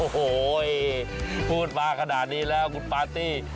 โอ้โหพูดมาขนาดนี้แล้วคุณปาร์ตี้